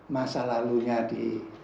masa lalunya di